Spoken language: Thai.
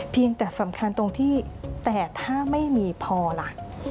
เพียงแต่สำคัญตรงที่แต่ถ้าไม่มีพอล่ะ